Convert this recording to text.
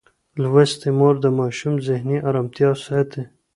لوستې مور د ماشوم ذهني ارامتیا ساتي.